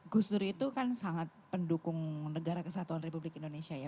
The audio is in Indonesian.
gus dur itu kan sangat pendukung negara kesatuan republik indonesia ya